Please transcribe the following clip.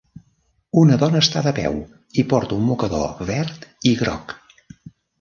Una dona està de peu i porta un mocador verd i groc.